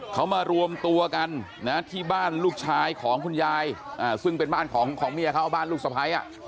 เขามารวมตัวกันนะที่บ้านลูกชายของคุณยายซึ่งเป็นบ้านของเมียเขาบ้านลูกสะพ้าย